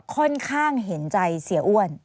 ค่อนข้างเห็นใจเสียอ้วน